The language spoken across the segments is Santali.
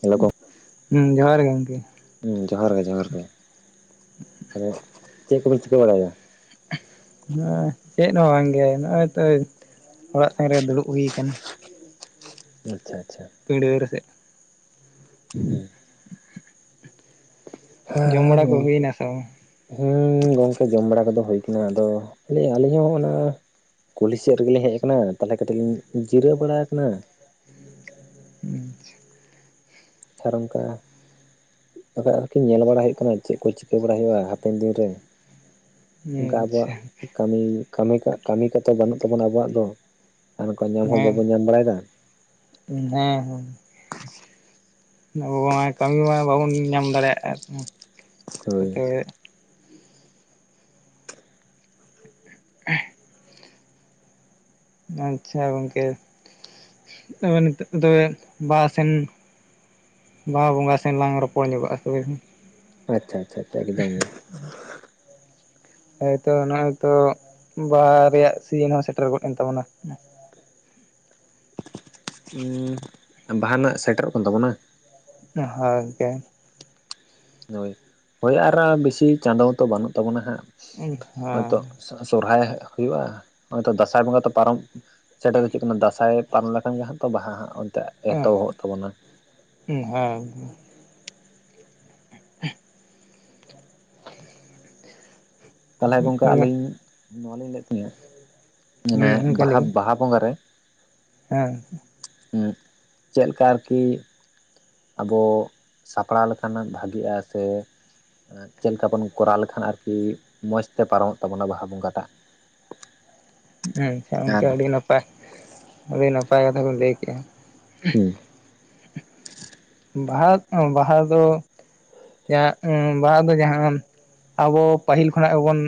ᱦᱮᱞᱳ ᱦᱩ ᱡᱚᱦᱟᱨ ᱜᱮ ᱜᱚᱢᱠᱮ ᱦᱩᱸ ᱡᱚᱦᱟᱨ ᱜᱮ ᱡᱚᱦᱟᱨ ᱜᱮ ᱛᱟᱦᱚᱞᱮ ᱪᱮᱫ ᱠᱚᱵᱤᱱ ᱪᱤᱠᱟᱹ ᱵᱟᱲᱟᱭᱫᱟ [unintelligible] ᱪᱮᱫ ᱦᱚᱸ ᱵᱟᱝᱜᱮ ᱱᱚᱜᱼᱚᱭ ᱛᱚ ᱚᱲᱟᱜ ᱫᱷᱟᱨᱮ ᱫᱩᱲᱩᱵ ᱦᱩᱭ ᱟᱠᱟᱱᱟ ᱟᱪᱪᱷᱟ ᱟᱪᱪᱷᱟ ᱯᱤᱸᱰᱟᱹ ᱨᱮ ᱥᱮᱫ ᱦᱩ ᱦᱮᱸ ᱡᱚᱢ ᱦᱮᱸ ᱵᱟᱲᱟ ᱠᱚ ᱜᱚᱝᱠᱮ ᱦᱩᱭᱱᱟ ᱥᱮ ᱵᱟᱝ? ᱦᱩ ᱜᱚᱝᱠᱮ ᱡᱚᱢ ᱵᱟᱲᱟ ᱠᱚᱫᱚ ᱦᱩᱭ ᱠᱟᱱᱟ ᱟᱫᱚ ᱟᱞᱤᱧ ᱦᱚᱸ ᱚᱱᱟ ᱠᱩᱞᱦᱤ ᱥᱮᱫ ᱨᱮᱜᱮᱞᱤᱧ ᱦᱮᱡ ᱠᱟᱱᱟ ᱛᱟᱦᱚᱞᱮ ᱠᱟᱹᱴᱤᱡ ᱞᱤᱧ ᱡᱤᱨᱟᱹᱣ ᱵᱟᱲᱟ ᱠᱟᱱᱟ ᱟᱪᱪᱷᱟ ᱟᱨ ᱚᱱᱠᱟ ᱛᱚᱵᱮ ᱟᱨ ᱠᱤ ᱧᱮᱞ ᱵᱟᱲᱟ ᱦᱩᱭᱩᱜ ᱠᱟᱱᱟ ᱪᱮᱫ ᱠᱚ ᱪᱤᱠᱟᱹ ᱵᱟᱲᱟᱭ ᱦᱩᱭᱩᱜᱼᱟ ᱦᱟᱯᱮᱱ ᱫᱤᱱ ᱨᱮ ᱚᱱᱠᱟ ᱟᱪᱪᱷᱟ ᱟᱵᱚᱣᱟᱜ ᱠᱟᱹᱢᱤ ᱠᱟᱹᱢᱤ ᱠᱟᱜ ᱠᱟᱹᱢᱤ ᱠᱚᱛᱚ ᱵᱟᱹᱱᱩᱜ ᱛᱟᱵᱚᱱᱟ ᱟᱵᱚᱣᱟᱜ ᱫᱚ ᱟᱨ ᱱᱚᱠᱟ ᱧᱟᱢ ᱦᱚᱸ ᱦᱮᱸ ᱵᱟᱵᱚᱱ ᱧᱟᱢ ᱵᱟᱲᱟᱭᱫᱟ ᱦᱮᱸ ᱦᱮᱸ ᱟᱵᱚ ᱢᱟ ᱠᱟᱹᱢᱤ ᱢᱟ ᱵᱟᱵᱚᱱ ᱧᱟᱢ ᱫᱟᱲᱮᱭᱟᱜᱼᱟ ᱦᱳᱭ [inaudible] ᱸ ᱟᱪᱪᱷᱟ ᱜᱚᱝᱠᱮ ᱛᱚᱵᱮ ᱱᱤᱛᱚᱜ ᱫᱚᱵᱮᱱ ᱵᱟ ᱥᱮᱱ ᱵᱟᱦᱟ ᱵᱚᱸᱜᱟ ᱥᱮᱱ ᱞᱟᱝ ᱨᱚᱯᱚᱲ ᱧᱚᱜᱚᱜᱼᱟ ᱛᱚᱵᱮ ᱠᱷᱟᱱ ᱟᱪᱪᱷᱟ ᱟᱪᱪᱷᱟ ᱟᱪᱪᱷᱟ ᱟᱰᱤ [unintelligible] ᱦ ᱦᱚᱭᱛᱚ ᱱᱚᱜᱼᱚᱭ ᱛᱚ ᱵᱟᱦᱟ ᱨᱮᱭᱟᱜ ᱥᱤᱱ ᱦᱚᱸ ᱥᱮᱴᱮᱨ ᱜᱚᱫ ᱮᱱ ᱛᱟᱵᱚᱱᱟ ᱦᱩ ᱵᱟᱦᱟᱱᱟᱜ ᱥᱮᱴᱮᱨᱚᱜ ᱠᱟᱱ ᱛᱟᱵᱚᱱᱟ ᱡᱚᱦᱟᱨ ᱜᱮ ᱦᱳᱭ ᱦᱳᱭ ᱟᱨ ᱵᱮᱥᱤ ᱪᱟᱸᱫᱚ ᱛᱚ ᱵᱟᱹᱱᱩᱜ ᱛᱟᱵᱚᱱᱟ ᱦᱟᱸᱜ ᱦᱮᱸ ᱦᱚᱭᱛᱚ ᱥᱚᱨᱦᱟᱭ ᱦᱩᱭᱩᱜ-ᱟ ᱱᱚᱜ-ᱚᱭ ᱛᱚ ᱫᱟᱸᱥᱟᱭ ᱵᱚᱸᱜᱟ ᱛᱚ ᱯᱟᱨᱚᱢ ᱥᱮᱴᱮᱨ ᱦᱤᱡᱩᱜ ᱠᱟᱱᱟ ᱫᱟᱸᱥᱟᱭ ᱯᱟᱨᱚᱢ ᱞᱮᱠᱷᱟᱱ ᱜᱮ ᱦᱟᱸᱜ ᱛᱚ ᱵᱟᱦᱟ ᱦᱟᱸᱜ ᱚᱱᱛᱮ ᱮᱛᱚᱦᱚᱵᱚᱜ ᱛᱟᱵᱚᱱᱟ ᱩᱸ ᱦᱮᱸ ᱛᱟᱦᱚᱞᱮ ᱜᱚᱝᱠᱟ ᱟᱹᱞᱤᱧ ᱱᱚᱣᱟ ᱞᱤᱧ ᱞᱟᱹᱭᱮᱫ ᱛᱟᱦᱮᱫ ᱢᱟᱱᱮ ᱦᱩᱸ ᱚᱱᱠᱟ ᱵᱟᱦᱟ ᱞᱟᱹᱜᱤᱫ ᱵᱟᱦᱟ ᱵᱚᱸᱜᱟᱨᱮ ᱦᱮᱸ ᱦᱮᱸ ᱪᱮᱫ ᱞᱮᱠᱟ ᱟᱨᱠᱤ ᱟᱵᱚ ᱥᱟᱯᱲᱟᱣ ᱞᱮᱠᱟᱱᱟᱜ ᱵᱷᱟᱜᱤᱜᱼᱟ ᱥᱮ ᱮ ᱪᱮᱫ ᱞᱮᱠᱟ ᱵᱚᱱ ᱠᱚᱨᱟᱣ ᱞᱮᱠᱷᱟᱱ ᱟᱨᱠᱤ ᱢᱚᱸᱡᱽᱛᱮ ᱯᱟᱨᱚᱢᱚᱜ ᱛᱟᱵᱚᱱᱟ ᱵᱟᱦᱟ ᱵᱚᱸᱜᱟ ᱴᱟᱜ ᱟᱪᱪᱷᱟ ᱜᱚᱝᱠᱮ ᱟᱨ ᱟᱹᱰᱤ ᱱᱟᱯᱟᱭ ᱟᱹᱰᱤ ᱱᱟᱯᱟᱭ ᱠᱟᱛᱷᱟ ᱠᱚ ᱵᱤᱱ ᱞᱟᱹᱭ ᱠᱮᱜ-ᱟ ᱦᱩ ᱵᱟᱦᱟ ᱵᱟᱦᱟ ᱫᱚ ᱡᱟᱦᱟᱜ ᱦᱩ ᱵᱟᱦᱟ ᱫᱚ ᱡᱟᱦᱟᱸ ᱟᱵᱚ ᱯᱟᱹᱦᱤᱞ ᱠᱷᱚᱱᱟᱜ ᱜᱮᱵᱚᱱ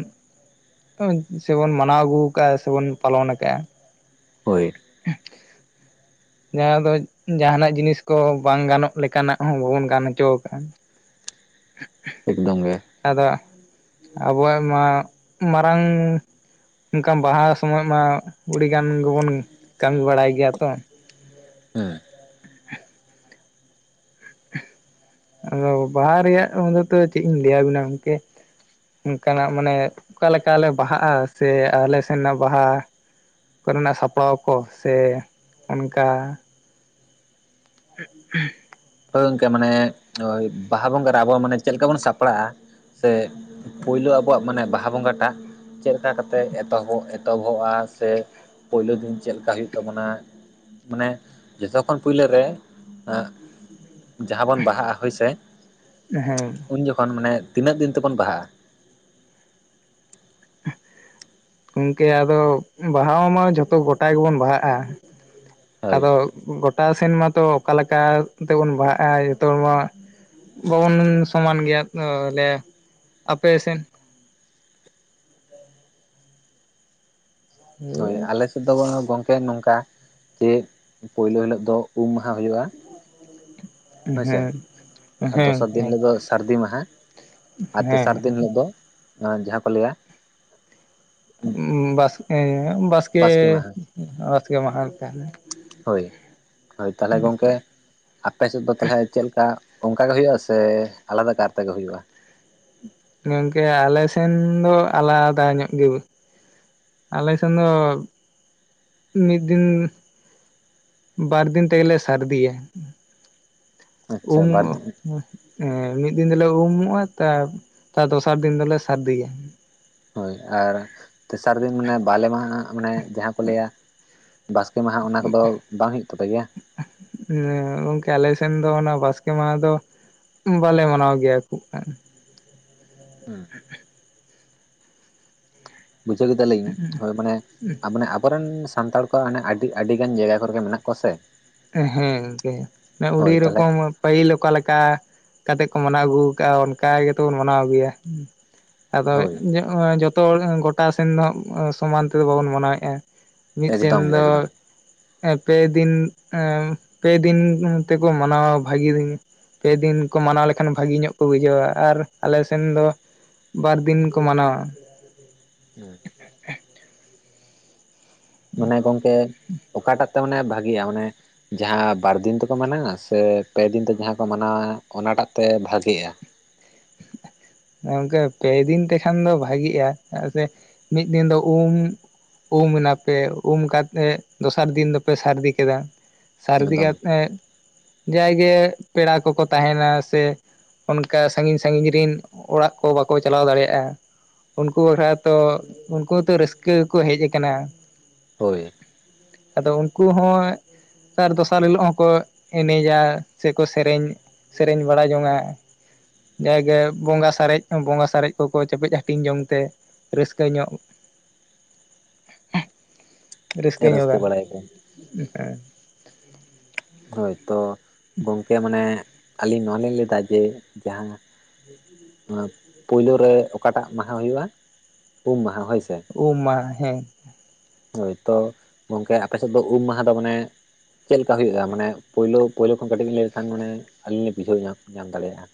ᱥᱮᱵᱚᱱ ᱢᱟᱱᱟᱣ ᱟᱹᱜᱩ ᱠᱟᱜ-ᱟ ᱥᱮᱵᱚᱱ ᱯᱟᱞᱚᱱ ᱟᱠᱟᱟᱜ-ᱟ ᱦᱳᱭ [unintelligible] ᱡᱟᱦᱟᱸ ᱫᱚ ᱡᱟᱦᱟᱱᱟᱜ ᱡᱤᱱᱤᱥ ᱠᱚ ᱵᱟᱝ ᱜᱟᱱᱚᱜ ᱞᱮᱠᱟᱱᱟᱜ ᱦᱚᱸ ᱵᱟᱵᱚᱱ ᱜᱟᱱ ᱦᱚᱪᱚ ᱟᱠᱟᱫᱟ ᱮᱠᱫᱚᱢ ᱜᱮ ᱟᱫᱚ ᱟᱵᱚᱣᱟᱜ ᱢᱟ ᱢᱟᱨᱟᱝ ᱚᱱᱠᱟᱱ ᱵᱟᱦᱟ ᱥᱚᱢᱚᱭ ᱢᱟ ᱟᱹᱰᱤᱜᱟᱱ ᱜᱮᱵᱚᱱ ᱠᱟᱹᱢᱤ ᱵᱟᱲᱟᱭ ᱜᱮᱭᱟ ᱛᱚ ᱦᱩᱸ ᱟᱫᱚ ᱵᱟᱦᱟ ᱨᱮᱭᱟᱜ ᱫᱚ ᱪᱮᱫ ᱤᱧ ᱞᱟᱹᱭ ᱟᱵᱤᱱᱟ ᱜᱚᱝᱠᱮ ᱚᱱᱠᱟᱱᱟᱜ ᱢᱟᱱᱮ ᱚᱠᱟ ᱞᱮᱠᱟ ᱞᱮ ᱵᱟᱦᱟᱜ-ᱟ ᱥᱮ ᱟᱞ ᱥᱮᱱᱟᱜ ᱵᱟᱦᱟ ᱠᱚ ᱨᱮᱱᱟᱜ ᱥᱟᱯᱲᱟᱣ ᱠᱚ ᱥᱮ ᱚᱱᱠᱟ [unintelligible] ᱦᱳᱭ ᱜᱚᱝᱠᱮ ᱢᱟᱱᱮ ᱵᱟᱦᱟ ᱵᱚᱸᱜᱟ ᱨᱮ ᱟᱵᱚ ᱢᱟᱱᱮ ᱪᱮᱫ ᱞᱮᱠᱟ ᱵᱚᱱ ᱥᱟᱯᱲᱟᱜ-ᱟ ᱥᱮ ᱯᱩᱭᱞᱩ ᱟᱵᱚᱣᱟᱜ ᱢᱟᱱᱮ ᱵᱟᱦᱟ ᱵᱚᱸᱜᱟ ᱴᱟᱜ ᱪᱮᱫ ᱠᱟ ᱠᱟᱛᱮᱫ ᱮᱛᱚᱦᱚᱵ ᱮᱛᱚᱦᱚᱵᱚᱜ-ᱟ ᱥᱮ ᱯᱳᱭᱞᱳ ᱫᱤᱱ ᱪᱮᱫ ᱞᱮᱠᱟ ᱦᱩᱭᱩᱜ ᱛᱟᱵᱚᱱᱟ ᱢᱟᱱᱮ ᱡᱷᱚᱛᱚ ᱠᱷᱚᱱ ᱯᱩᱭᱞᱟᱹ ᱨᱮ ᱡᱟᱦᱟᱸ ᱵᱚᱱ ᱵᱟᱦᱟᱜ-ᱟ ᱦᱳᱭ ᱥᱮ ᱦᱮᱸ ᱩᱱ ᱡᱚᱠᱷᱚᱱ ᱢᱟᱱᱮ ᱛᱤᱱᱟᱹᱜ ᱫᱤᱱ ᱛᱮᱵᱚᱱ ᱵᱟᱦᱟᱜ-ᱟ [unintelligible] ᱜᱚᱝᱠᱮ ᱟᱫᱚ ᱵᱟᱦᱟ ᱢᱟ ᱡᱷᱚᱛᱚ ᱜᱚᱴᱟ ᱜᱮᱵᱚᱱ ᱵᱟᱦᱟᱜ-ᱟ ᱦᱳᱭ ᱟᱫᱚ ᱜᱚᱴᱟ ᱥᱮᱱ ᱢᱟᱛᱚ ᱚᱠᱟ ᱞᱮᱠᱟ ᱛᱮᱵᱚᱱ ᱵᱟᱦᱟᱜ-ᱟ ᱡᱚᱛᱚ ᱦᱚᱲ ᱢᱟ ᱵᱟᱵᱚᱱ ᱥᱚᱢᱟᱱ ᱜᱮᱭᱟ ᱵᱚᱞᱮ ᱟᱯᱮ ᱥᱮᱫ ᱦᱳᱭ ᱦᱮᱸ ᱟᱞᱮᱥᱮ ᱫᱚ ᱜᱚᱝᱠᱮ ᱱᱚᱝᱠᱟ ᱡᱮ ᱯᱳᱭᱞᱳ ᱦᱤᱞᱳᱜ ᱫᱚ ᱩᱢ ᱢᱟᱸᱦᱟ ᱦᱩᱭᱩᱜ-ᱟ ᱦᱳᱭᱥᱮ ᱟᱨ ᱦᱮᱸ ᱫᱚᱥᱟᱨ ᱫᱤᱱ ᱦᱤᱞᱳᱜ ᱫᱚ ᱥᱟᱹᱨᱫᱤ ᱢᱟᱦᱟ ᱟᱨ ᱛᱮᱥᱟᱨ ᱦᱮᱸ ᱫᱤᱱ ᱦᱤᱞᱳᱜ ᱫᱚ ᱡᱟᱦᱟᱸ ᱠᱚ ᱞᱟᱹᱭᱟ ᱵᱟᱥᱠᱮ ᱵᱟᱥᱠᱮ ᱵᱟᱥᱠᱮ ᱢᱟᱦᱟ ᱠᱟᱱᱟ ᱦᱳᱭ ᱦᱳᱭ ᱛᱟᱞᱦᱮ ᱜᱚᱝᱠᱮ ᱟᱯᱮᱥᱮᱫ ᱫᱚ ᱛᱟᱞᱦᱮ ᱪᱮᱫ ᱞᱮᱠᱟ ᱚᱱᱠᱟ ᱜᱮ ᱦᱩᱭᱩᱜ-ᱟ ᱥᱮ ᱟᱞᱟᱫᱟ ᱠᱟᱨ ᱛᱮᱜᱮ ᱦᱩᱭᱩᱜ-ᱟ ᱜᱚᱝᱠᱮ ᱟᱞᱮᱥᱮᱱ ᱫᱚ ᱟᱞᱟᱫᱟ ᱧᱚᱜ ᱜᱮ ᱟᱞᱮᱥᱮᱱ ᱫᱚ ᱢᱤᱫ ᱫᱤᱱ ᱵᱟᱨᱫᱤᱱ ᱛᱮᱜᱮ ᱞᱮ ᱥᱟᱹᱨᱫᱤᱭᱟ ᱟᱪᱪᱷᱟ ᱩᱢ ᱵᱟᱨ ᱮᱸ ᱢᱤᱫ ᱫᱤᱱ ᱫᱚᱞᱮ ᱩᱢᱚᱜ-ᱟ ᱛᱟᱨ ᱫᱚᱥᱟᱨ ᱫᱤᱱ ᱫᱚᱞᱮ ᱥᱟᱨᱫᱤᱭᱟ ᱦᱳᱭ ᱟᱨ ᱛᱮᱥᱟᱨ ᱫᱤᱱ ᱢᱟᱱᱮ ᱵᱟᱞᱮ ᱢᱟᱦᱟ ᱢᱟᱱᱮ ᱡᱟᱦᱟᱸ ᱠᱚ ᱞᱟᱹᱭᱟ ᱵᱟᱥᱠᱮ ᱢᱟᱦᱟ ᱚᱱᱟ ᱠᱚᱫᱚ ᱵᱟᱝ ᱦᱩᱭᱩᱜ ᱛᱟᱯᱮ ᱜᱮᱭᱟ ᱦᱮ ᱜᱚᱢᱠᱮ ᱟᱞᱮᱥᱮᱱ ᱫᱚ ᱚᱱᱟ ᱵᱟᱥᱠᱮ ᱢᱟᱸᱦᱟ ᱫᱚ ᱵᱟᱞᱮ ᱢᱟᱱᱟᱣ ᱜᱮᱭᱟ ᱦᱩᱸ [unintelligible] ᱵᱩᱡᱷᱟᱹᱣ ᱠᱮᱫᱟ ᱞᱤᱧ ᱦᱳᱭ ᱢᱟᱱᱮ ᱢᱟᱱᱮ ᱟᱵᱚ ᱨᱮᱱ ᱥᱟᱱᱛᱟᱲ ᱚᱱᱮ ᱟᱹᱰᱤ ᱟᱹᱰᱤ ᱜᱟᱱ ᱡᱟᱭᱜᱟ ᱠᱚᱨᱮᱜᱮ ᱢᱮᱱᱟᱜ ᱠᱚᱣᱟ ᱥᱮ ᱦᱮᱸ ᱜᱚᱝᱠᱮ ᱟᱹᱰᱤ ᱦᱳᱭ ᱛᱟᱦᱚᱞᱮ ᱨᱚᱠᱚᱢ ᱯᱟᱹᱦᱤᱞ ᱚᱠᱟ ᱞᱮᱠᱟ ᱠᱟᱛᱮᱜ ᱠᱚ ᱢᱟᱱᱟᱣ ᱟᱹᱜᱩ ᱠᱟᱜ-ᱟ ᱚᱱᱠᱟ ᱜᱮᱛᱚ ᱵᱚᱱ ᱢᱟᱱᱟᱣ ᱟᱹᱜᱩᱭᱟ ᱟᱫᱚ ᱦᱳᱭ ᱡᱚᱛᱚ ᱦᱚᱲ ᱜᱳᱴᱟ ᱥᱮᱱ ᱫᱚ ᱥᱚᱢᱟᱱ ᱛᱮᱫᱚ ᱵᱟᱵᱚᱱ ᱢᱟᱱᱟᱣᱮᱜ-ᱟ ᱢᱤᱫᱥᱮᱱ ᱮᱠᱫᱚᱢ ᱜᱮ ᱫᱚ ᱮᱠᱫᱚᱢ ᱯᱮ ᱫᱤᱱ ᱯᱮ ᱫᱤᱱ ᱛᱮᱠᱚ ᱢᱟᱱᱟᱣᱟ ᱵᱷᱟᱜᱤ ᱫᱤᱱ ᱯᱮ ᱫᱤᱱ ᱠᱚ ᱢᱟᱱᱟᱣ ᱞᱮᱠᱷᱟᱱ ᱵᱷᱟᱹᱜᱤ ᱧᱚᱜ ᱠᱚ ᱵᱩᱡᱷᱟᱹᱣ ᱟᱨ ᱟᱞᱮ ᱥᱮᱱ ᱫᱚ ᱵᱟᱨ ᱫᱤᱱ ᱠᱚ ᱢᱟᱱᱟᱣᱟ ᱦᱩᱸ ᱢᱟᱱᱮ ᱜᱚᱝᱠᱮ ᱚᱠᱟᱴᱟᱜ ᱛᱮ ᱢᱟᱱᱮ ᱵᱷᱟᱜᱤᱭᱟ ᱢᱟᱱᱮ ᱡᱟᱦᱟᱸ ᱵᱟᱨ ᱫᱤᱱ ᱛᱮᱠᱚ ᱢᱟᱱᱟᱣᱟ ᱥᱮ ᱯᱮ ᱫᱤᱱ ᱛᱮ ᱡᱟᱦᱟᱸ ᱠᱚ ᱢᱟᱱᱟᱣ ᱟ ᱚᱱᱟᱴᱟᱜ ᱛᱮ ᱵᱷᱟᱜᱮᱜᱼᱟ ᱜᱚᱝᱠᱮ ᱯᱮ ᱫᱤᱱ ᱛᱮᱠᱷᱟᱱ ᱫᱚ ᱵᱷᱟᱜᱤᱜᱼᱟ ᱪᱮᱫᱟᱜ ᱥᱮ ᱢᱤᱫ ᱫᱤᱱ ᱫᱚ ᱩᱢ ᱩᱢ ᱮᱱᱟᱯᱮ ᱩᱢ ᱠᱟᱛᱮ ᱫᱚᱥᱟᱨ ᱫᱤᱱ ᱫᱚᱯᱮ ᱥᱟᱹᱨᱫᱤ ᱠᱮᱫᱟ ᱥᱟᱹᱨᱫᱤ ᱮᱠᱫᱚᱢ? ᱠᱟᱛᱮᱫ ᱡᱟᱭᱜᱮ ᱯᱮᱲᱟ ᱠᱚᱠᱚ ᱛᱟᱦᱮᱱᱟ ᱥᱮ ᱚᱱᱠᱟ ᱥᱟᱹᱝᱜᱤᱧ ᱥᱟᱹᱝᱜᱤᱧ ᱨᱮᱱ ᱚᱲᱟᱜ ᱠᱚ ᱵᱟᱠᱚ ᱪᱟᱞᱟᱣ ᱫᱟᱲᱮᱭᱟᱜ-ᱟ ᱩᱱᱠᱩ ᱦᱚᱨᱟ ᱛᱚ ᱩᱱᱠᱩ ᱦᱚᱸ ᱛᱚ ᱨᱟᱹᱥᱠᱟᱹ ᱜᱮᱠᱚ ᱦᱮᱡ ᱟᱠᱟᱱᱟ ᱦᱳᱭ ᱟᱫᱚ ᱩᱱᱠᱩ ᱦᱚᱸ ᱛᱟᱨ ᱫᱚᱥᱟᱨ ᱦᱤᱞᱚᱜ ᱦᱚᱸᱠᱚ ᱮᱱᱮᱡᱼᱟ ᱥᱮᱠᱚ ᱥᱮᱨᱮᱧ ᱥᱮᱨᱮᱧ ᱵᱟᱲᱟᱭ ᱡᱟᱦᱟᱸ ᱜᱮ ᱵᱚᱸᱜᱟ ᱥᱟᱨᱮᱡ ᱵᱚᱸᱜᱟ ᱥᱟᱨᱮᱡ ᱠᱚᱠᱚ ᱪᱮᱯᱮᱡ ᱦᱟᱹᱴᱤᱧ ᱡᱚᱝ ᱛᱮ ᱨᱟᱹᱥᱠᱟᱹ ᱧᱚᱜ ᱨᱟᱹᱥᱠᱟᱹ ᱧᱚᱜᱟ ᱦᱮᱸ ᱦᱳᱭ ᱛᱚ ᱜᱚᱢᱠᱮ ᱢᱟᱱᱮ ᱟᱹᱞᱤᱧ ᱱᱚᱣᱟ ᱞᱤᱧ ᱞᱟᱹᱭᱫᱟ ᱡᱮ ᱡᱟᱦᱟᱸ ᱯᱩᱭᱭᱞᱳ ᱨᱮ ᱚᱠᱟᱴᱟᱜ ᱢᱟᱦᱟ ᱦᱩᱭᱩᱜᱼᱟ ᱩᱢ ᱢᱟᱦᱟ ᱦᱳᱭ ᱥᱮ ᱩᱢ ᱢᱟᱸᱦᱟ ᱦᱮᱸ ᱦᱚᱭ ᱛᱚ ᱜᱚᱝᱠᱮ ᱟᱯᱮᱥᱮᱫ ᱫᱚ ᱩᱢ ᱢᱟᱦᱟ ᱫᱚ ᱢᱟᱱᱮ ᱪᱮᱫ ᱞᱮ ᱠᱟ ᱦᱩᱭᱩᱜ-ᱟ? ᱦ ᱢᱟᱱᱮ ᱯᱩᱭᱞᱩ ᱯᱩᱭᱞᱩ ᱠᱷᱚᱱ ᱠᱟᱹᱴᱤᱡ ᱞᱟᱹᱭ ᱞᱮᱠᱷᱟᱱ ᱢᱟᱱᱮ ᱟᱹᱞᱤᱧ ᱞᱤ ᱵᱩᱡᱷᱟᱹᱣ ᱧᱟᱢ ᱧᱟᱢ ᱫᱟᱲᱮᱭᱟᱜ-ᱟ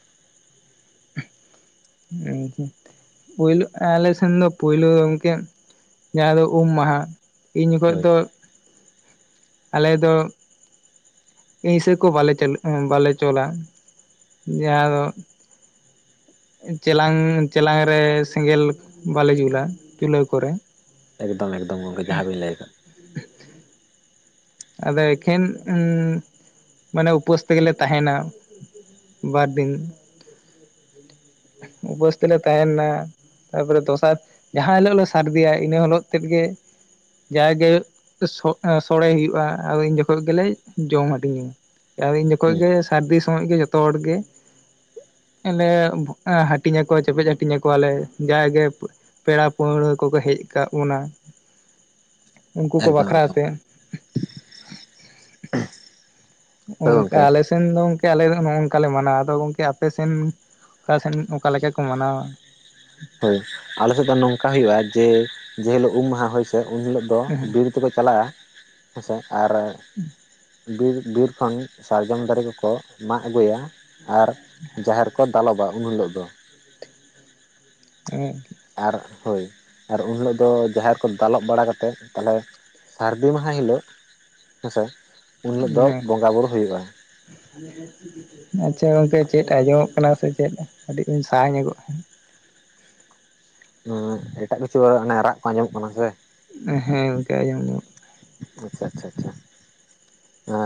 ᱯᱩᱭᱞᱩ ᱟᱹᱞᱮ ᱥᱮᱱ ᱫᱚ ᱯᱩᱭᱞᱩ ᱜᱚᱢᱠᱮ ᱡᱟᱦᱟ ᱫᱚ ᱩᱢ ᱢᱟᱦᱟᱸ ᱤᱧ ᱡᱚᱠᱷᱚᱱ ᱦᱳᱭ ᱫᱚ ᱟᱞᱮ ᱫᱚ ᱱᱤᱥᱟᱹ ᱠᱚ ᱵᱟᱞᱮ ᱪᱟᱹᱼᱼ ᱵᱟᱞᱮ ᱪᱚᱞᱟ ᱡᱟᱦᱟᱸ ᱫᱚ ᱪᱮᱞᱟᱝ ᱪᱮᱞᱟᱝ ᱨᱮ ᱥᱮᱸᱜᱮᱞ ᱵᱟᱞᱮ ᱡᱩᱞᱟ ᱪᱩᱞᱦᱟᱹ ᱠᱚᱨᱮ ᱮᱠᱫᱚᱢ ᱮᱠᱫᱚᱢ ᱜᱚᱢᱠᱮ ᱡᱟᱦᱟᱸ ᱜᱮᱵᱤᱱ ᱞᱟᱹᱭ ᱟᱠᱟᱫ ᱟᱫᱚ ᱮᱠᱷᱮᱱ ᱩᱸᱻ ᱢᱟᱱᱮ ᱩᱯᱟᱹᱥ ᱛᱮᱜᱮᱞᱮ ᱛᱟᱦᱮᱱᱟ ᱵᱟᱨ ᱫᱤᱱ ᱩᱯᱟᱹᱥ ᱛᱮᱞᱮ ᱛᱟᱦᱮᱱᱟ ᱛᱟ ᱯᱚᱨᱮ ᱫᱚᱥᱟᱨ ᱡᱟᱦᱟᱸ ᱦᱤᱞᱚᱜ ᱞᱮ ᱥᱟᱹᱨᱫᱤᱭᱟ ᱤᱱᱟᱹ ᱦᱤᱞᱚᱜ ᱛᱮᱫ ᱜᱮ ᱡᱟᱜᱮ ᱥᱚᱲᱮ ᱦᱩᱭᱩᱜ-ᱟ ᱟᱫᱚ ᱤᱱ ᱡᱚᱠᱷᱚᱱ ᱜᱮᱞᱮ ᱡᱚᱢ ᱦᱟᱹᱴᱤᱧᱟᱹ ᱟᱨ ᱤᱱ ᱡᱚᱠᱷᱚᱡ ᱦᱩᱸ ᱜᱮ ᱥᱟᱹᱨᱫᱤ ᱥᱚᱢᱚᱭ ᱜᱮ ᱡᱚᱛᱚ ᱦᱚᱲ ᱜᱮ ᱤᱱᱟᱹ ᱵᱷᱩᱼᱼ ᱟᱺᱻ ᱦᱟᱹᱴᱤᱧ ᱟᱠᱚ ᱪᱮᱯᱮᱡ ᱦᱟᱹᱴᱤᱧ ᱟᱠᱚᱣᱟᱞᱮ ᱡᱟᱜᱮ ᱯᱮᱲᱟ ᱯᱟᱹᱦᱲᱟᱹ ᱠᱚᱠᱚ ᱦᱮᱡ ᱟᱠᱟᱜ ᱵᱚᱱᱟ ᱩᱱᱠᱩ ᱠᱚ ᱮᱠᱫᱚᱢ ᱵᱟᱠᱷᱨᱟ ᱮᱠᱫᱚᱢ ᱛᱮ ᱦᱳᱭ ᱚᱱᱠᱟ ᱜᱚᱝᱠᱮ ᱟᱞᱮ ᱟᱯ ᱥᱮᱱ ᱫᱚ ᱜᱚᱝᱠᱮ ᱟᱞᱮᱫ ᱫᱚ ᱱᱚᱜᱼ ᱱᱚᱝᱠᱟ ᱞᱮ ᱢᱟᱱᱟᱣᱟ ᱟᱫᱚ ᱜᱚᱝᱠᱮ ᱟᱯᱮᱥᱮᱱ ᱚᱠᱟᱥᱮᱱ ᱚᱠᱟ ᱞᱮᱠᱟ ᱠᱚ ᱢᱟᱱᱟᱣᱟ ᱦᱳᱭ, ᱟᱞᱮ ᱥᱮᱫ ᱫᱚ ᱱᱚᱝᱠᱟ ᱦᱩᱭᱩᱜ-ᱟ ᱡᱮ ᱡᱮ ᱦᱤᱞᱚᱜ ᱩᱢᱟ ᱦᱟᱸᱜ ᱦᱳᱭ ᱥᱮ ᱩᱱ ᱦᱤᱞᱚᱜ ᱫᱚ ᱵᱤᱨ ᱛᱮᱠᱚ ᱪᱟᱞᱟᱜᱼᱟ ᱦᱮᱸᱥᱮ ᱟᱨ ᱵᱤᱨ ᱵᱤᱨ ᱠᱷᱚᱱ ᱥᱟᱨᱡᱚᱢ ᱫᱟᱨᱮ ᱠᱚᱠᱚ ᱢᱟᱜ ᱟᱹᱜᱩᱭᱟ ᱟᱨ ᱡᱟᱦᱮᱨ ᱠᱚ ᱛᱟᱞᱟᱵᱟ ᱩᱱ ᱦᱤᱞᱚᱜ ᱫᱚ ᱩᱸᱜ ᱟᱨ ᱦᱳᱭ ᱟᱨ ᱩᱱ ᱦᱤᱞᱚᱜ ᱫᱚ ᱡᱟᱦᱮᱨ ᱠᱚ ᱫᱟᱞᱚᱵᱽ ᱵᱟᱲᱟ ᱠᱟᱛᱮᱫ ᱛᱟᱦᱚᱞᱮ ᱥᱟᱨᱫᱤ ᱢᱟᱦᱟ ᱦᱤᱞᱟᱹᱜ ᱦᱮᱸᱥᱮ ᱩᱱ ᱦᱤᱞᱚᱜ ᱫᱚ ᱦᱮᱸ ᱵᱚᱸᱜᱟ ᱵᱩᱨᱩ ᱦᱩᱭᱩᱜᱼᱟ᱾ [inaudible] ᱟᱪᱪᱷᱟ ᱜᱚᱝᱠᱮ ᱪᱮᱫ ᱟᱸᱡᱚᱢᱚᱜ ᱠᱟᱱᱟ ᱥᱮ ᱪᱮᱫ ᱠᱟᱹᱴᱤᱡ ᱵᱤᱧ ᱥᱟᱦᱟ ᱧᱚᱜᱚᱜᱼᱟ᱾ ᱩᱸᱜ ᱮᱴᱟᱜ ᱠᱤᱪᱷᱩ ᱚᱱᱮ ᱨᱟᱜ ᱠᱚ ᱟᱸᱡᱚᱢᱚᱜ ᱠᱟᱱᱟ ᱥᱮ, ᱦᱮᱸ ᱜᱚᱢᱠᱮ ᱟᱸᱡᱚᱢ ᱧᱟᱢᱚᱜ ᱟᱪᱪᱷᱟ ᱟᱪᱪᱷᱟ ᱟᱪᱪᱷᱟ,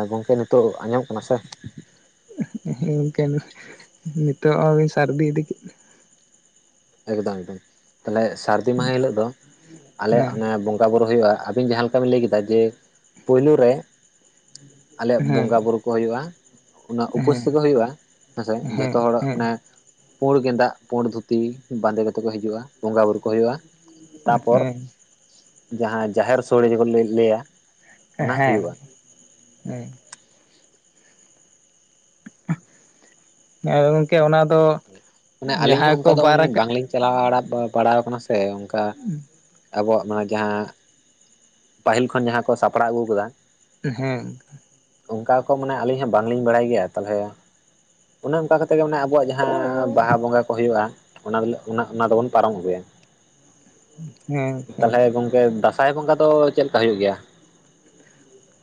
ᱜᱚᱝᱠᱮ ᱱᱤᱛᱚᱜ ᱟᱸᱡᱚᱢ ᱠᱟᱱᱟ ᱥᱮ? ᱦᱮᱸ ᱜᱚᱝᱠᱮ ᱱᱤᱛᱚᱜ ᱟᱹᱵᱤᱱ ᱥᱟᱨᱫᱤ ᱤᱫᱤ ᱠᱮᱫ ᱮᱠᱫᱚᱢ ᱮᱠᱫᱚᱢ ᱛᱟᱦᱚᱞᱮ ᱥᱟᱨᱫᱤ ᱢᱟᱦᱟ ᱦᱤᱞᱚᱜ ᱫᱚ ᱟᱞᱮ ᱦᱮᱸ ᱚᱱᱮ ᱵᱚᱸᱜᱟ ᱵᱩᱨᱩ ᱦᱩᱭᱩᱜ-ᱟ᱾ ᱟᱵᱤᱱ ᱡᱟᱦᱟᱸ ᱞᱮᱠᱟ ᱵᱤᱱ ᱞᱟᱹᱭ ᱠᱮᱫᱟ ᱡᱮ ᱯᱩᱭᱞᱩ ᱨᱮ ᱟᱞᱮᱭᱟᱜ ᱦᱮᱸ ᱵᱚᱸᱜᱟ ᱵᱩᱨᱩ ᱠᱚ ᱦᱩᱭᱩᱜᱼᱟ᱾ ᱩᱱᱟᱹᱜ ᱩᱯᱟᱹᱥ ᱦᱮᱸ ᱛᱮᱜᱮ ᱦᱩᱭᱩᱜᱼᱟ, ᱦᱮᱸ ᱥᱮ ᱡᱷᱚᱛᱚ ᱦᱚᱲᱟᱜ ᱢᱟᱱᱮ ᱯᱩᱬ ᱜᱮᱸᱫᱟᱜ, ᱯᱩᱬ ᱫᱷᱩᱛᱤ ᱵᱟᱸᱫᱮ ᱠᱟᱛᱮᱫ ᱠᱚ ᱦᱤᱡᱩᱜᱼᱟ ᱵᱚᱸᱜᱟ ᱵᱩᱨᱩ ᱠᱚ ᱦᱩᱭᱩᱜᱼᱟ᱾ ᱛᱟᱯᱚᱨ ᱦᱮᱸ ᱡᱟᱦᱟᱸ ᱡᱟᱦᱮᱨ ᱥᱚᱲᱮ ᱡᱮ ᱵᱚᱱ ᱞᱟᱹᱭ ᱞᱟᱹᱭ ᱟ ᱦᱮᱸ ᱦᱮᱸ ᱮ ᱜᱚᱝᱠᱮ ᱚᱱᱟ ᱫᱚ ᱱᱮ ᱟᱹᱞᱤᱧ ᱦᱚᱸ ᱡᱟᱦᱟᱸᱭ ᱠᱚ ᱚᱱᱠᱟ ᱫᱚ ᱵᱟᱨ ᱟᱠᱟᱫ ᱵᱟᱝ ᱞᱤᱧ ᱪᱟᱞᱟᱣ ᱵᱟᱲᱟᱣ ᱟᱠᱟᱱᱟ ᱥᱮ ᱚᱱᱠᱟ ᱟᱵᱚᱣᱟᱜ ᱢᱟᱱᱮ ᱡᱟᱦᱟᱸ ᱯᱟᱹᱦᱤᱞ ᱠᱷᱚᱱ ᱡᱟᱦᱟᱸ ᱠᱚ ᱥᱟᱯᱲᱟᱣ ᱟᱹᱜᱩ ᱟᱠᱟᱫᱟ ᱦᱮᱸ ᱚᱱᱠᱟ ᱠᱚ ᱢᱟᱱᱮ ᱟᱹᱞᱤᱧ ᱦᱚᱸ ᱵᱟᱝᱞᱤᱧ ᱵᱟᱲᱟᱭ ᱜᱮᱭᱟ ᱛᱟᱞᱦᱮ ᱚᱱᱮ ᱚᱱᱠᱟ ᱠᱟᱛᱮᱜ ᱜᱮ ᱢᱟᱱᱮ ᱟᱵᱚᱣᱟᱜ ᱡᱟᱦᱟᱸ ᱵᱟᱦᱟ ᱵᱚᱸᱜᱟ ᱠᱚ ᱦᱩᱭᱩᱜᱼᱟ ᱚᱱᱟ ᱦᱤᱞᱟᱜ ᱢᱟᱱᱮ ᱚᱱᱟ ᱫᱚᱵᱚᱱ ᱯᱟᱨᱚᱢ ᱟᱹᱜᱩᱭᱟ᱾ ᱦᱮᱸ ᱛᱟᱞᱦᱮ ᱜᱚᱝᱠᱮ ᱫᱟᱸᱥᱟᱭ ᱵᱚᱸᱜᱟ ᱫᱚ ᱪᱮᱫ ᱞᱮᱠᱟ ᱦᱳᱭᱳᱜ ᱜᱮᱭᱟ?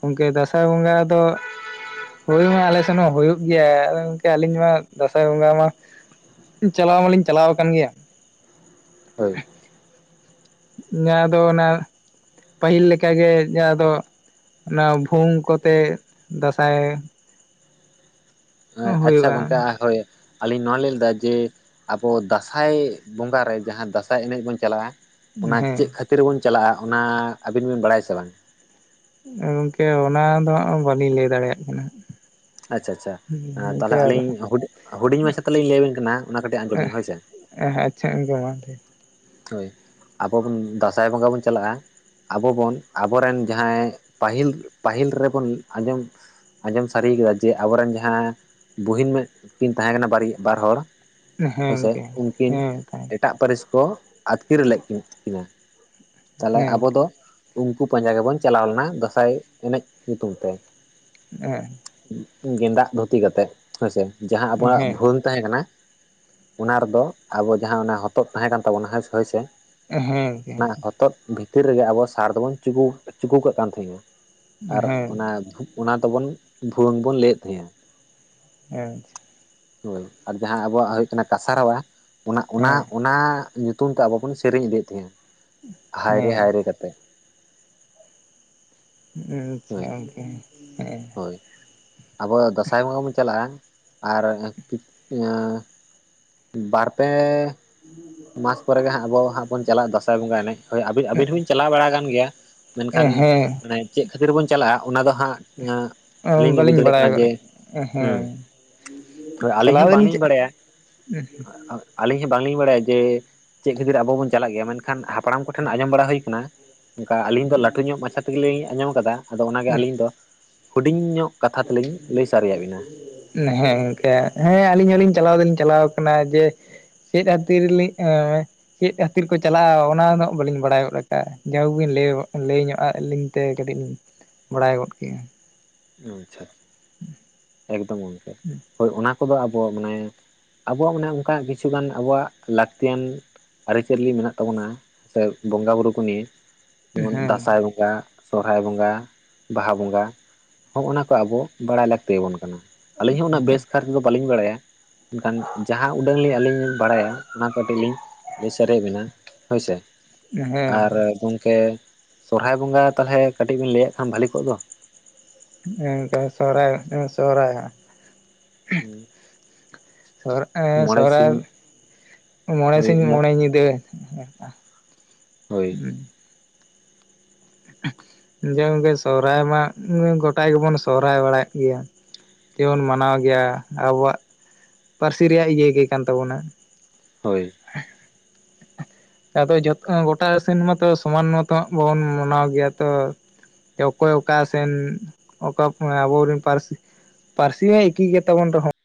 ᱜᱚᱢᱠᱮ ᱫᱟᱸᱥᱟᱭ ᱵᱚᱸᱜᱟ ᱫᱚ ᱦᱳᱭ ᱢᱟ ᱟᱞᱮ ᱥᱮᱱ ᱦᱚᱸ ᱦᱳᱭᱳᱜ ᱜᱮᱭᱟ ᱟᱫᱚ ᱜᱚᱢᱠᱮ ᱟᱹᱞᱤᱧ ᱢᱟ ᱫᱟᱸᱥᱟᱭ ᱵᱚᱸᱜᱟ ᱢᱟ ᱪᱟᱞᱟᱣ ᱢᱟᱹᱞᱤᱧ ᱪᱟᱞᱟᱣ ᱠᱟᱱ ᱜᱮᱭᱟ᱾ ᱦᱟᱹᱭ᱾ ᱧᱟ ᱫᱚ ᱚᱱᱟ ᱯᱟᱹᱦᱤᱞ ᱞᱮᱠᱟᱜᱮ ᱡᱟᱦᱟᱸ ᱫᱚ ᱚᱱᱟ ᱵᱷᱩᱣᱝ ᱠᱚᱛᱮ ᱫᱟᱥᱟᱭ ᱟᱪᱪᱷᱟ ᱦᱩᱭᱩᱜᱼᱟ ᱜᱚᱝᱠᱮ ᱦᱳᱭ ᱟᱹᱞᱤᱧ ᱱᱚᱣᱟ ᱞᱟᱹᱭ ᱞᱮᱫᱟ ᱡᱮ ᱟᱵᱚ ᱫᱟᱸᱥᱟᱭ ᱵᱚᱸᱜᱟ ᱨᱮ ᱡᱟᱦᱟᱸ ᱫᱟᱸᱥᱟᱭ ᱮᱱᱮᱡ ᱵᱚᱱ ᱪᱟᱞᱟᱜᱼᱟ ᱚᱱᱟ ᱦᱮᱸ ᱪᱮᱫ ᱠᱷᱟᱹᱛᱤᱨ ᱵᱚᱱ ᱪᱟᱞᱟᱜᱼᱟ ᱚᱱᱟ ᱟᱹᱵᱤᱱ ᱵᱤᱱ ᱵᱟᱲᱟᱭᱟ ᱥᱮ ᱵᱟᱝ? ᱜᱚᱝᱠᱮ ᱚᱱᱟ ᱫᱚ ᱦᱟᱸᱜ ᱵᱟᱹᱞᱤᱧ ᱞᱟᱹᱭ ᱫᱟᱲᱮᱭᱟᱜ ᱠᱟᱱᱟ᱾ ᱟᱪᱪᱷᱟ ᱟᱪᱪᱷᱟ ᱜᱚᱝᱠᱮ ᱛᱟᱦᱞᱮ ᱟᱫᱚ ᱟᱹᱞᱤᱧ ᱦᱩᱰᱤᱧ ᱦᱩᱰᱤᱧ ᱢᱟᱪᱷᱟ ᱛᱮ ᱞᱤᱧ ᱞᱟᱹᱭ ᱟᱵᱤᱱ ᱠᱟᱱᱟ ᱚᱱᱟ ᱠᱟᱹᱴᱤᱡ ᱟᱸᱡᱚᱢ ᱵᱤᱱ ᱦᱳᱭ ᱥᱮ? ᱦ ᱟᱪᱪᱷᱟ [unintelligible] ᱦᱳᱭ ᱟᱵᱚ ᱵᱚᱱ ᱫᱟᱸᱥᱟᱭ ᱵᱚᱸᱜᱟ ᱵᱚᱱ ᱪᱟᱞᱟᱜᱼᱟ ᱟᱵᱚ ᱵᱚᱱ ᱟᱵᱚᱨᱮᱱ ᱡᱟᱦᱟᱸᱭ ᱯᱟᱹᱦᱤᱞ ᱯᱟᱹᱦᱤᱞ ᱨᱮᱵᱚᱱ ᱟᱸᱡᱚᱢ ᱟᱸᱡᱚᱢ ᱥᱟᱨᱤᱭ ᱠᱮᱫᱟ ᱡᱮ ᱟᱵᱚ ᱨᱮᱱ ᱡᱟᱦᱟᱸ ᱵᱩᱦᱤᱱ ᱠᱤᱱ ᱛᱟᱦᱮᱸ ᱠᱟᱱᱟ ᱵᱟᱨ ᱵᱟᱨ ᱦᱚᱲ ᱦᱮᱸ ᱦᱮᱥᱮ ᱜᱚᱝᱠᱮ ᱩᱱᱠᱤᱱ ᱦᱮᱸ ᱛᱟᱦᱮᱸ ᱮᱴᱟᱜ ᱯᱟᱹᱨᱤᱥ ᱠᱚ ᱟᱹᱛᱠᱤᱨ ᱞᱮᱫ ᱠᱤᱱ ᱠᱤᱱᱟ ᱛᱟᱦᱚᱞᱮ ᱦᱮᱸ ᱟᱵᱚ ᱫᱚ ᱩᱱᱠᱩ ᱯᱟᱸᱡᱟ ᱜᱮᱵᱚᱱ ᱪᱟᱞᱟᱣ ᱞᱮᱱᱟ ᱫᱟᱸᱥᱟᱭ ᱮᱱᱮᱡ ᱧᱩᱛᱩᱢ ᱛᱮ ᱮᱸ ᱜᱮᱸᱫᱟᱜ ᱫᱷᱩᱛᱤ ᱠᱟᱛᱮᱜ ᱦᱮᱸᱥᱮ ᱡᱟᱦᱟᱸ ᱟᱵᱚᱣᱟᱜ ᱦᱮᱸ ᱵᱷᱟᱹ [unintelligible] ᱛᱟᱦᱮᱸ ᱠᱟᱱᱟ ᱚᱱᱟ ᱨᱮᱫᱚ ᱟᱵᱚ ᱡᱟᱦᱟᱸ ᱦᱚᱛᱚᱫ ᱛᱟᱦᱮᱸ ᱠᱟᱱ ᱛᱟᱵᱚᱱᱟ ᱦᱮᱸ ᱥᱮ ᱦᱳᱭ ᱥᱮ ᱦᱮᱸ ᱦᱮᱸ ᱚᱱᱟ ᱦᱚᱛᱚᱫ ᱵᱷᱤᱛᱤᱨ ᱨᱮᱜᱮ ᱟᱵᱚ ᱥᱟᱨ ᱫᱚᱵᱚᱱ ᱪᱩᱠᱩ ᱪᱩᱠᱩ ᱠᱟᱜ ᱠᱟᱱ ᱛᱟᱦᱮᱼᱟ᱾ ᱟᱪᱪᱷᱟ ᱟᱨ ᱦᱮᱸ ᱚᱱᱟ ᱚᱱᱟ ᱛᱮᱵᱚᱱ ᱵᱷᱩᱣᱟᱹᱝ ᱵᱚᱱ ᱞᱟᱹᱭᱮᱫ ᱛᱟᱦᱮᱸᱫᱼᱟ᱾ ᱮᱸᱪ ᱦᱳᱭ ᱟᱨ ᱡᱟᱦᱟᱸ ᱟᱵᱚᱣᱟᱜ ᱦᱳᱭᱳᱜ ᱠᱟᱱᱟ ᱠᱟᱥᱟ ᱨᱟᱣᱟ ᱚᱱᱟ ᱚᱱᱟ ᱚᱱᱟ ᱛᱩᱢ ᱛᱮ ᱟᱵᱚ ᱵᱚᱱ ᱥᱮᱨᱮᱧ ᱤᱫᱤᱭᱮᱫ ᱛᱟᱦᱮᱸᱜᱼᱟ ᱦᱟᱭᱨᱮ ᱦᱟᱭᱨᱮ ᱠᱟᱛᱮᱜ ᱦᱩᱸ ᱟᱪᱪᱷᱟ ᱦᱳᱭ ᱜᱚᱝᱠᱮ ᱦᱮᱸᱻ ᱦᱳᱭ ᱟᱵᱚ ᱫᱟᱸᱥᱟᱭ ᱵᱚᱸᱜᱟ ᱵᱚᱱ ᱪᱟᱞᱟᱜᱼᱟ ᱟᱨ [unintelligible] ᱵᱟᱨ ᱯᱮ ᱢᱟᱥ‌ ᱯᱚᱨᱮ ᱜᱮ ᱦᱟᱸᱜ ᱟᱵᱚ ᱦᱟᱸᱜ ᱵᱚᱱ ᱪᱟᱞᱟᱜ-ᱟ ᱫᱟᱥᱟᱭ ᱵᱚᱸᱜᱟ ᱮᱱᱮᱡ ᱦᱳᱭ ᱟᱹᱵᱤ ᱟᱹᱵᱤᱱ ᱦᱚᱸ ᱵᱤᱱ ᱪᱟᱞᱟᱣ ᱵᱟᱲᱟ ᱟᱠᱟᱱ ᱜᱮᱭᱟ᱾ ᱢᱮᱱᱠᱷᱟᱱ ᱦᱮᱸ ᱢᱟᱱᱮ ᱪᱮᱫ ᱠᱷᱟᱹᱛᱤᱨ ᱵᱚᱱ ᱪᱟᱞᱟᱜᱼᱟ ᱚᱱᱟ ᱫᱚ ᱦᱟᱜ ᱦᱮᱸ ᱟᱹᱞᱤᱧ ᱞᱤᱧ ᱵᱩᱡᱽ ᱵᱟᱹᱞᱤᱧ ᱫᱟᱲᱮᱜ ᱵᱟᱲᱟᱭ ᱠᱟᱱᱟ ᱜᱚᱫ ᱡᱮ ᱦᱩᱸ ᱦᱮᱸ ᱛᱚ ᱟᱹᱞᱤᱧ ᱪᱟᱞᱟᱣ ᱦᱚᱸ ᱵᱟᱝ ᱫᱚᱞᱤᱧ ᱞᱤᱧ ᱵᱟᱲᱟᱭᱟ [unintelligible] ᱟᱹᱞᱤᱧ ᱦᱚᱸ ᱵᱟᱝ ᱞᱤᱧ ᱵᱟᱲᱟᱭᱟ ᱡᱮ ᱪᱮᱫ ᱠᱷᱟᱹᱛᱤᱨ ᱟᱵᱚ ᱵᱚᱱ ᱪᱟᱞᱟᱜ ᱜᱮᱭᱟ ᱢᱮᱱᱠᱷᱟᱱ ᱦᱟᱯᱲᱟᱢ ᱠᱚᱴᱷᱮᱱ ᱟᱸᱡᱚᱢ ᱵᱟᱲᱟ ᱦᱩᱭ ᱟᱠᱟᱱᱟ ᱚᱱᱠᱟ ᱟᱹᱞᱤᱧ ᱫᱚ ᱞᱟᱹᱴᱩ ᱧᱚᱜ ᱢᱟᱪᱷᱟ ᱛᱮᱜᱮ ᱞᱤᱧ ᱟᱸᱡᱚᱢ ᱟᱠᱟᱫᱟ ᱟᱫᱚ ᱚᱱᱟᱜᱮ ᱟᱹᱞᱤᱧ ᱫᱚ ᱦᱩᱰᱤᱧ ᱧᱚᱜ ᱠᱟᱛᱷᱟ ᱛᱮᱞᱤᱧ ᱞᱟᱹᱭ ᱥᱟᱹᱨᱤᱭᱟᱹᱵᱤᱱᱟ ᱦᱮᱸ ᱤᱱᱠᱟᱹ ᱦᱮᱸ ᱟᱹᱞᱤᱧ ᱦᱚᱞᱤᱧ ᱪᱟᱞᱟᱣ ᱫᱚᱞᱤᱧ ᱪᱟᱞᱟᱣ ᱟᱠᱟᱱᱟ ᱡᱮ ᱪᱮᱫ ᱠᱷᱟᱹᱛᱤᱨ ᱞᱤᱼᱼ [unintelligible] ᱪᱮᱫ ᱠᱷᱟᱹᱛᱤᱨ ᱠᱚ ᱪᱟᱞᱟᱜᱼᱟ ᱚᱱᱟ ᱫᱚ ᱦᱟᱸᱜ ᱵᱟᱹᱞᱤᱧ ᱵᱟᱲᱟᱭ ᱜᱚᱫ ᱟᱠᱟᱫᱼᱟ [unintelligible] ᱵᱤᱱ ᱞᱟᱹᱭ ᱞᱟᱹᱭ ᱧᱚᱜ ᱟᱹᱞᱤ ᱛᱮ ᱠᱟᱹᱴᱤᱡ ᱤᱧ ᱵᱟᱲᱟᱭ ᱜᱚᱫ ᱠᱮᱜᱼᱟ ᱟᱪᱪᱷᱟ ᱟᱪᱪᱷᱟ ᱮᱠᱫᱚᱢ ᱜᱚᱢᱠᱮ ᱦᱳᱭ ᱚᱱᱟ ᱠᱚᱫᱚ ᱟᱵᱚ ᱢᱟᱱᱮ ᱟᱵᱚᱣᱟᱜ ᱢᱟᱱᱮ ᱚᱱᱠᱟ ᱠᱤᱪᱷ ᱜᱟᱱ ᱟᱵᱚᱣᱟᱜ ᱞᱟᱹᱠᱛᱤᱭᱟᱱ ᱟᱹᱨᱤᱪᱟᱹᱞᱤ ᱢᱮᱱᱟᱜ ᱛᱟᱵᱚᱱᱟ ᱥᱮ ᱵᱚᱸᱜᱟ ᱵᱩᱨᱩ ᱠᱚ ᱱᱤᱼᱼ ᱡᱮᱢᱚᱱ ᱦᱮᱸ ᱫᱟᱸᱥᱟᱭ ᱵᱚᱸᱜᱟ ᱥᱚᱨᱦᱟᱭ ᱵᱚᱸᱜᱟ ᱵᱟᱦᱟ ᱵᱚᱸᱜᱟ ᱦᱳᱭ ᱚᱱᱟᱠᱚ ᱟᱵᱚ ᱵᱟᱲᱟᱭ ᱞᱟᱹᱠᱛᱤᱭᱟᱵᱚᱱ ᱠᱟᱱᱟ ᱟᱹᱞᱤᱧ ᱦᱚᱸ ᱩᱱᱟᱹᱜ ᱵᱮᱥ ᱠᱷᱟᱨ ᱫᱚ ᱵᱟᱹᱞᱤᱧ ᱵᱟᱲᱟᱭᱟ ᱢᱮᱱᱠᱷᱟᱱ ᱡᱟᱦᱟᱸ ᱩᱰᱟᱹᱝ ᱞᱤᱧ ᱵᱟᱲᱟᱭᱟ ᱚᱱᱟ ᱠᱟᱹᱴᱤᱡ ᱞᱤᱧ ᱞᱟᱹᱭ ᱥᱟᱹᱨᱤᱭᱟᱹᱵᱤᱱᱟ ᱦᱳᱭ ᱥᱮ ᱦᱮᱸ ᱟᱨ ᱜᱚᱝᱠᱮ ᱥᱚᱨᱦᱟᱭ ᱵᱚᱸᱜᱟ ᱛᱟᱦᱞᱮ ᱠᱟᱹᱴᱤᱡ ᱵᱮᱱ ᱞᱟᱹᱭᱼᱟᱜ ᱠᱷᱟᱱ ᱵᱷᱟᱹᱞᱤ ᱠᱚᱜ ᱫᱚ ᱦᱮᱸ [unintelligible] ᱥᱚᱦᱨᱟᱭ ᱦᱟᱸᱜ ᱦᱮᱸ [unintelligible] ᱥᱚᱦᱨᱟᱭ ᱢᱚᱬᱮ ᱦᱳᱭ ᱥᱤᱧ ᱢᱚᱬᱮ ᱧᱤᱫᱟᱹ ᱟᱪᱪᱷᱟ ᱦᱳᱭ ᱦᱩᱸ [unintelligible] ᱥᱚᱦᱨᱟᱭ ᱢᱟ ᱜᱚᱴᱟ ᱜᱮᱵᱚᱱ ᱥᱚᱦᱨᱟᱭ ᱵᱟᱲᱟᱭᱮᱫ ᱜᱮᱭᱟ᱾ ᱠᱤᱵᱚᱱ ᱢᱟᱱᱟᱣ ᱜᱮᱭᱟ ᱟᱵᱚᱣᱟᱜ ᱯᱟᱹᱨᱥᱤ ᱨᱮᱭᱟᱜ ᱤᱭᱟᱹ ᱜᱮ ᱠᱟᱱ ᱛᱟᱵᱚᱱᱟ ᱦᱳᱭ ᱟᱫᱚ ᱡᱚᱛᱚ ᱜᱚᱴᱟ ᱥᱮᱱ ᱢᱟᱛᱚ ᱥᱚᱢᱟᱱ ᱢᱚᱛᱚ ᱦᱟᱸᱜ ᱵᱟᱵᱚᱱ ᱢᱟᱱᱟᱣ ᱜᱮᱭᱟ ᱛᱚ ᱚᱠᱚᱭ ᱚᱠᱟ ᱥᱮᱱ ᱚᱠᱟ [unintelligible] ᱟᱵᱚᱨᱮᱱ ᱯᱟᱹᱨᱥᱤ ᱯᱟᱹᱨᱥᱤ ᱢᱟ ᱮᱠᱤ ᱜᱮᱭᱟ ᱛᱟᱵᱚᱱ ᱨᱮᱦᱚᱸ